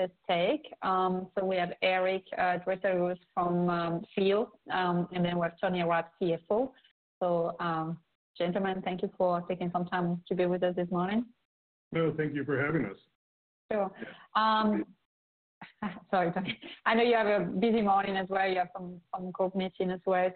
Let's take, so we have Eric Dresselhuys from ESS, and then we have Tony Rabb, CFO. So, gentlemen, thank you for taking some time to be with us this morning. No, thank you for having us. Sure. Sorry, Tony. I know you have a busy morning as well. You have some cold meeting as well.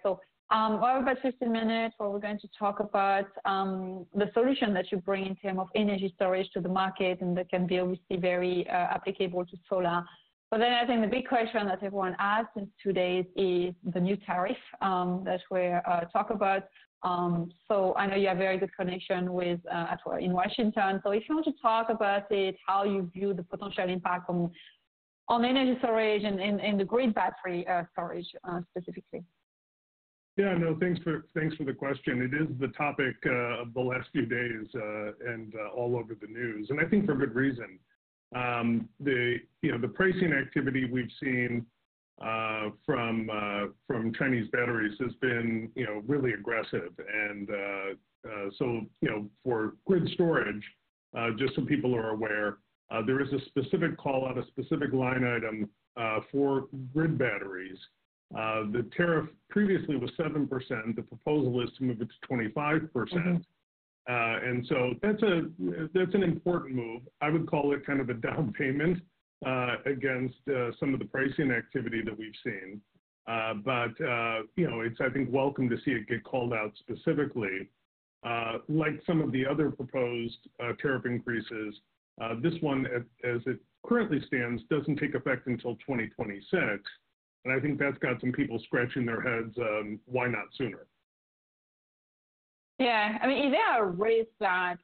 So, over about 15 minutes, where we're going to talk about the solution that you bring in terms of energy storage to the market, and that can be obviously very applicable to solar. But then I think the big question that everyone asks since two days is the new tariff that we're talking about. So I know you have very good connection with Washington as well. So if you want to talk about it, how you view the potential impact on energy storage and the grid battery storage specifically. Yeah, no, thanks for, thanks for the question. It is the topic of the last few days, and all over the news, and I think for good reason. You know, the pricing activity we've seen from Chinese batteries has been, you know, really aggressive. And so, you know, for grid storage, just so people are aware, there is a specific call out, a specific line item for grid batteries. The tariff previously was 7%. The proposal is to move it to 25%. And so that's an important move. I would call it kind of a down payment against some of the pricing activity that we've seen. But you know, it's, I think, welcome to see it get called out specifically. Like some of the other proposed tariff increases, this one, as it currently stands, doesn't take effect until 2026, and I think that's got some people scratching their heads, why not sooner? Yeah. I mean, is there a risk that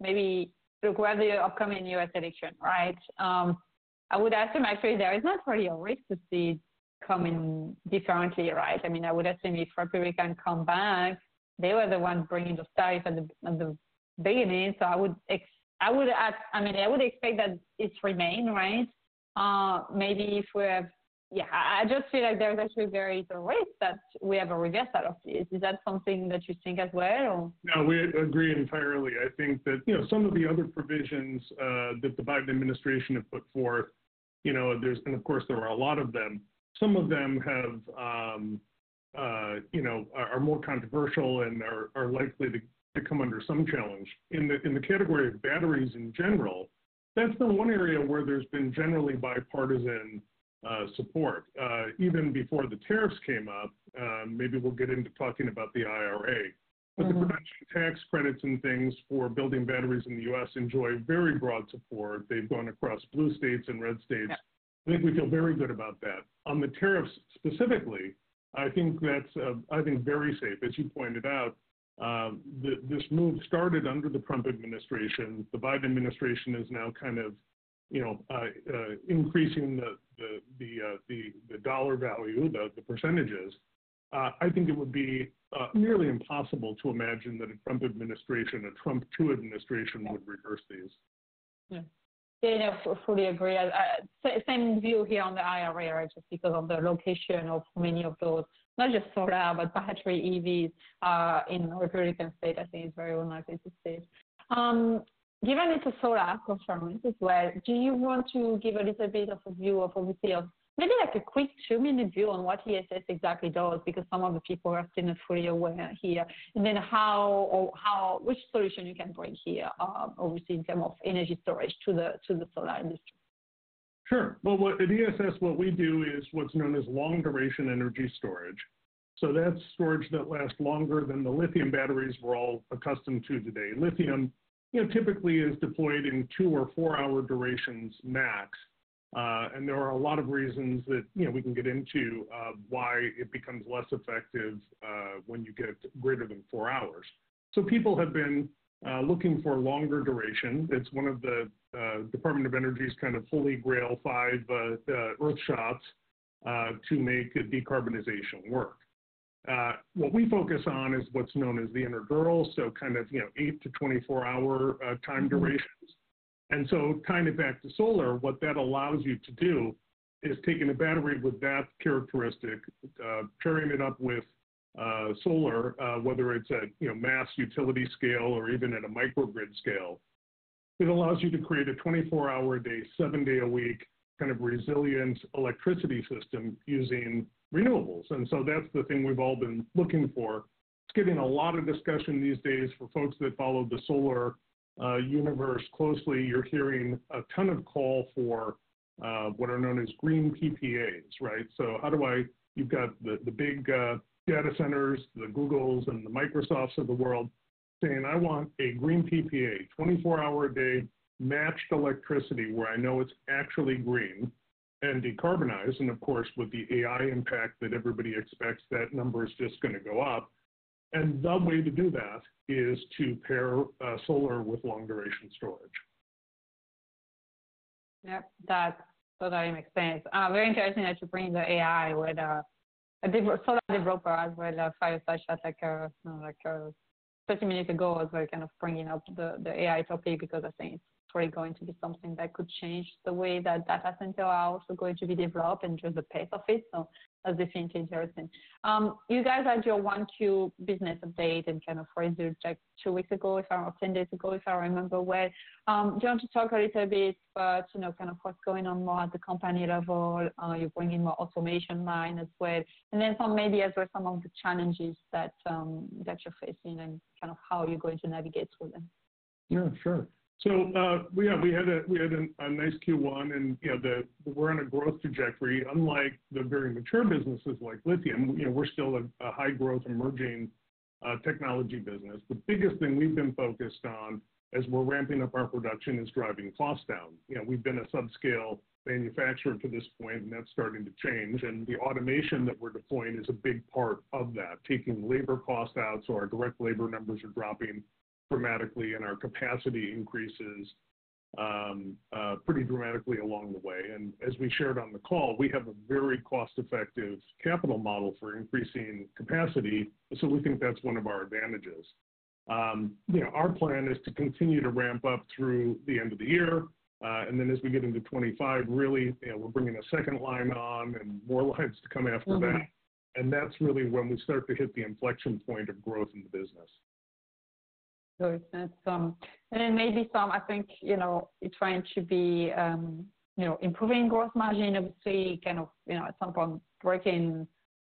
maybe look where the upcoming U.S. election, right? I would assume actually there is not really a risk to see coming differently, right? I mean, I would assume if Trump can come back, they were the ones bringing the tariff at the beginning. So I would expect that it remain, right? Maybe if we have-- Yeah, I just feel like there's actually very little risk that we have a reverse out of this. Is that something that you think as well, or? No, we agree entirely. I think that, you know, some of the other provisions that the Biden administration have put forth, you know, and of course, there are a lot of them. Some of them, you know, are more controversial and are likely to come under some challenge. In the category of batteries in general, that's been one area where there's been generally bipartisan support even before the tariffs came up. Maybe we'll get into talking about the IRA. The production tax credits and things for building batteries in the U.S. enjoy very broad support. They've gone across blue states and red states. I think we feel very good about that. On the tariffs specifically, I think that's, I think, very safe. As you pointed out, this move started under the Trump administration. The Biden administration is now kind of, you know, increasing the dollar value, the percentages. I think it would be nearly impossible to imagine that a Trump administration, a Trump two administration, would reverse these. Yeah. Yeah, yeah, fully agree. Same view here on the IRA, just because of the location of many of those, not just solar, but battery, EVs, in a Republican state, I think it's very unlikely to see. Given it's a solar conference as well, do you want to give a little bit of a view of obviously of maybe like a quick two-minute view on what ESS exactly does? Because some of the people are not fully aware here. And then which solution you can bring here, obviously in terms of energy storage to the, to the solar industry. Sure. Well, what we do at ESS is what's known as long-duration energy storage. So that's storage that lasts longer than the lithium batteries we're all accustomed to today. Lithium, you know, typically is deployed in 2 or 4 hour durations max. And there are a lot of reasons that, you know, we can get into why it becomes less effective when you get greater than 4 hours. So people have been looking for longer duration. It's one of the Department of Energy's kind of holy grail five Earthshots to make decarbonization work. What we focus on is what's known as the inner girdle, so kind of, you know, 8-24-hour time durations. And so kind of back to solar, what that allows you to do is taking a battery with that characteristic, pairing it up with solar, whether it's at, you know, mass utility scale or even at a microgrid scale. It allows you to create a 24-hour day, 7-day a week, kind of resilient electricity system using renewables, and so that's the thing we've all been looking for. It's getting a lot of discussion these days. For folks that follow the solar universe closely, you're hearing a ton of call for what are known as green PPAs, right? You've got the, the big data centers, the Googles and the Microsofts of the world, saying: "I want a green PPA, 24-hour a day, matched electricity, where I know it's actually green and decarbonized." And of course, with the AI impact that everybody expects, that number is just gonna go up. And the way to do that is to pair solar with long-duration storage. Yep, that totally makes sense. Very interesting that you bring the AI with a different, so different developers with a five Earthshots like, like, 30 minutes ago, I was like kind of bringing up the AI topic because I think it's probably going to be something that could change the way that data center are also going to be developed and just the pace of it, so that's definitely interesting. You guys had your Q1 business update and kind of raised it, like, 2 weeks ago, or 10 days ago, if I remember well. Do you want to talk a little bit about, you know, kind of what's going on more at the company level? You're bringing more automation line as well. Maybe as well, some of the challenges that that you're facing and kind of how you're going to navigate through them. Yeah, sure. So, we had a nice Q1, and, you know, we're on a growth trajectory, unlike the very mature businesses like lithium. You know, we're still a high-growth, emerging technology business. The biggest thing we've been focused on, as we're ramping up our production, is driving costs down. You know, we've been a subscale manufacturer to this point, and that's starting to change. And the automation that we're deploying is a big part of that, taking labor costs out, so our direct labor numbers are dropping dramatically, and our capacity increases pretty dramatically along the way. And as we shared on the call, we have a very cost-effective capital model for increasing capacity, so we think that's one of our advantages. You know, our plan is to continue to ramp up through the end of the year. And then as we get into 2025, really, you know, we're bringing a second line on and more lines to come after that. That's really when we start to hit the inflection point of growth in the business. So it's, and then maybe Tony, I think, you know, you're trying to be, you know, improving gross margin, obviously, kind of, you know, at some point, breaking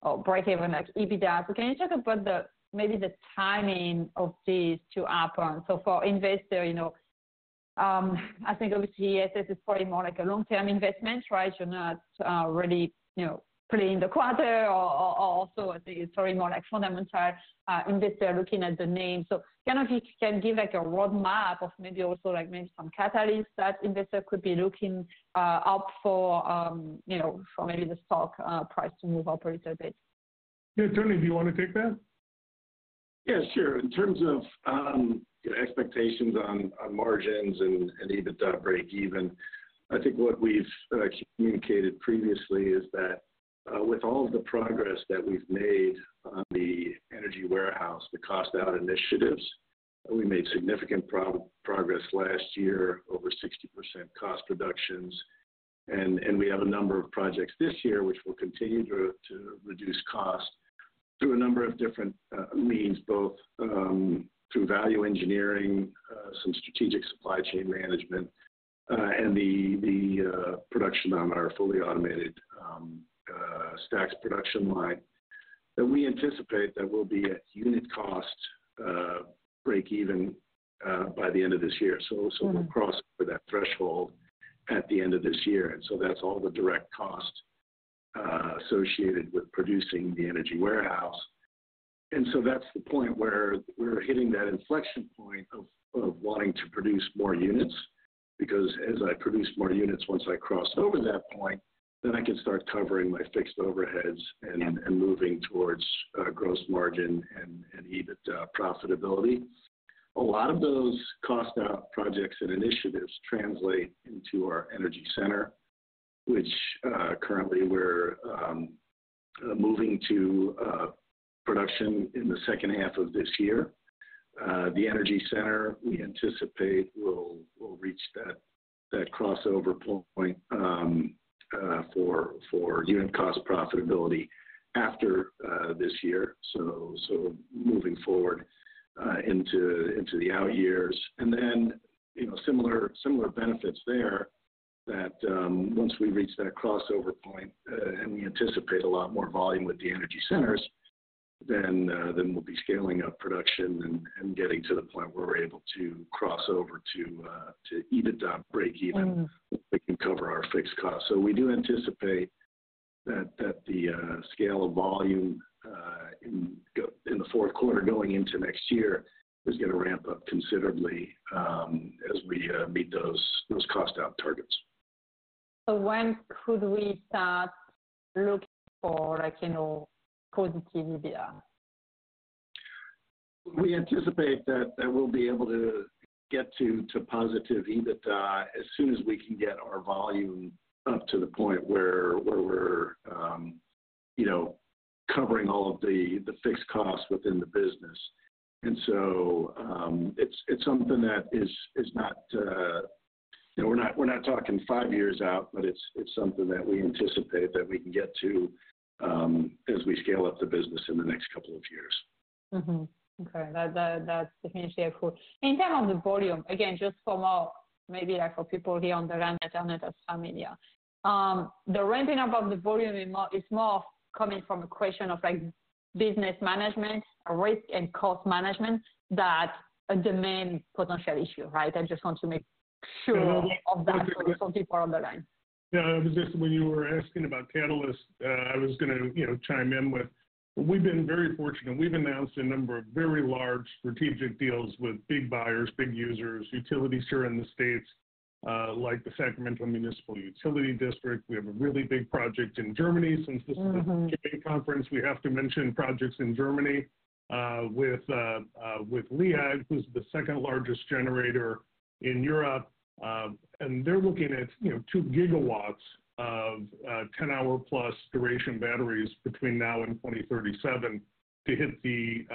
or break even, like, EBITDA. So can you talk about the, maybe the timing of these two upfront? So for investor, you know, I think obviously ESS is probably more like a long-term investment, right? You're not, really, you know, playing the quarter or also, I think it's probably more like fundamental investor looking at the name. So kind of if you can give, like, a roadmap of maybe also like maybe some catalysts that investors could be looking out for, you know, for maybe the stock price to move up a little bit. Yeah, Tony, do you want to take that? Yeah, sure. In terms of expectations on margins and EBITDA breakeven, I think what we've communicated previously is that with all the progress that we've made on the Energy Warehouse, the cost out initiatives, we made significant progress last year, over 60% cost reductions. And we have a number of projects this year, which will continue to reduce costs through a number of different means, both through value engineering, some strategic supply chain management, and the production on our fully automated stacks production line. That we anticipate that we'll be at unit cost breakeven by the end of this year. So, so we'll cross over that threshold at the end of this year, and so that's all the direct costs associated with producing the energy warehouse. And so that's the point where we're hitting that inflection point of wanting to produce more units. Because as I produce more units, once I cross over that point, then I can start covering my fixed overheads- and moving towards gross margin and EBITDA profitability. A lot of those cost out projects and initiatives translate into our Energy Center, which currently we're moving to production in the second half of this year. The Energy Center, we anticipate will reach that crossover point for unit cost profitability after this year, so moving forward into the out years. And then, you know, similar benefits there, that once we reach that crossover point, and we anticipate a lot more volume with the Energy Centers, then we'll be scaling up production and getting to the point where we're able to cross over to EBITDA breakeven- we can cover our fixed costs. So we do anticipate that the scale of volume in the fourth quarter, going into next year, is gonna ramp up considerably, as we meet those cost out targets. When could we start looking for, like, you know, positive EBITDA? We anticipate that we'll be able to get to positive EBITDA as soon as we can get our volume up to the point where we're, you know, covering all of the fixed costs within the business. And so, it's something that is not. You know, we're not talking five years out, but it's something that we anticipate that we can get to as we scale up the business in the next couple of years. Mm-hmm. Okay. That, that, that's definitely cool. In terms of the volume, again, just for more, maybe like for people here on the line that are not as familiar. The ramping up of the volume is more, is more coming from a question of, like, business management, risk and cost management, that are the main potential issue, right? I just want to make sure of that- for people on the line. Yeah, just when you were asking about catalysts, I was gonna, you know, chime in with. We've been very fortunate. We've announced a number of very large strategic deals with big buyers, big users, utilities here in the States, like the Sacramento Municipal Utility District. We have a really big project in Germany. Since this is a conference, we have to mention projects in Germany with LEAG, who's the second largest generator in Europe. They're looking at, you know, 2GW of 10-hour+ duration batteries between now and 2037 to hit the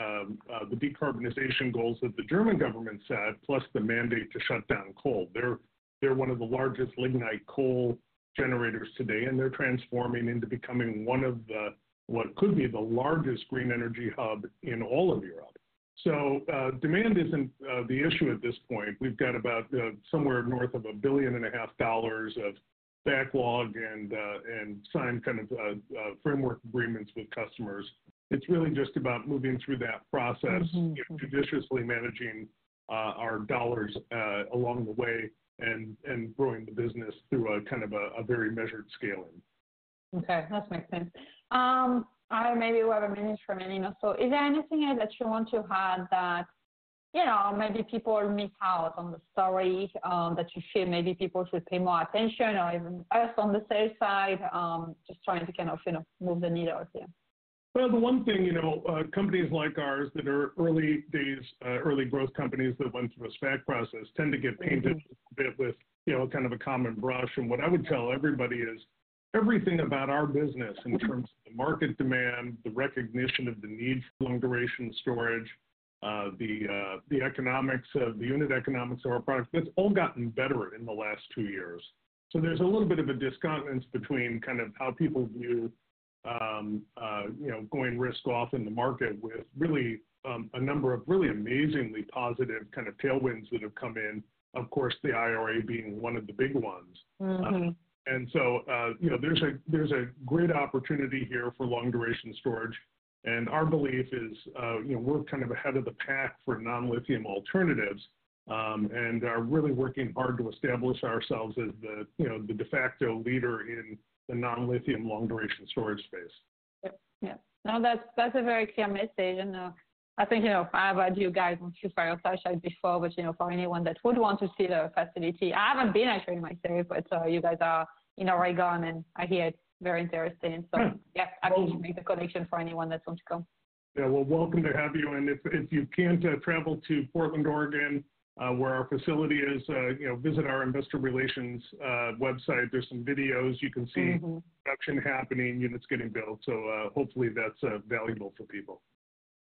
decarbonization goals that the German government set, plus the mandate to shut down coal. They're one of the largest lignite coal generators today, and they're transforming into becoming one of the, what could be the largest green energy hub in all of Europe. So, demand isn't the issue at this point. We've got about somewhere north of $1.5 billion of backlog and signed kind of framework agreements with customers. It's really just about moving through that process judiciously managing our dollars along the way and growing the business through a kind of very measured scaling. Okay, that makes sense. Maybe we have a minute remaining now. So is there anything else that you want to add that, you know, maybe people miss out on the story, that you feel maybe people should pay more attention, or even us on the sales side, just trying to kind of, you know, move the needle out there? Well, the one thing, you know, companies like ours that are early days, early growth companies that went through a SPAC process tend to get painted a bit with, you know, kind of a common brush. And what I would tell everybody is, everything about our business in terms of the market demand, the recognition of the need for long-duration storage, the economics of the unit economics of our product, that's all gotten better in the last two years. So there's a little bit of a discontent between kind of how people view, you know, going risk off in the market with really, a number of really amazingly positive kind of tailwinds that have come in, of course, the IRA being one of the big ones. And so, you know, there's a great opportunity here for long-duration storage, and our belief is, you know, we're kind of ahead of the pack for non-lithium alternatives, and are really working hard to establish ourselves as the, you know, the de facto leader in the non-lithium long-duration storage space. Yep. Yeah. No, that's, that's a very clear message, and I think, you know, I've heard you guys before, but you know, for anyone that would want to see the facility, I haven't been actually myself, but you guys are in Oregon, and I hear it's very interesting. So yeah, I can make the connection for anyone that wants to come. Yeah, we're welcome to have you, and if you can't travel to Portland, Oregon, where our facility is, you know, visit our investor relations website. There's some videos. You can see production happening, units getting built, so, hopefully that's valuable for people.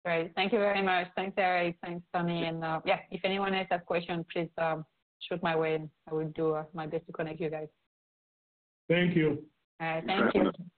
Great. Thank you very much. Thanks, Eric. Thanks, Tony. And, yeah, if anyone has any questions, please, shoot my way, and I will do my best to connect you guys. Thank you. All right. Thank you.